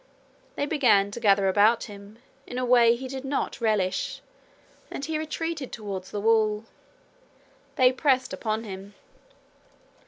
They began to gather about him in a way he did not relish, and he retreated towards the wall. They pressed upon him.